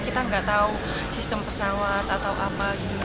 kita nggak tahu sistem pesawat atau apa gitu